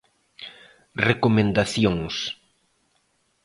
Recomendacións.